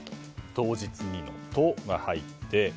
当日にの「ト」が入って。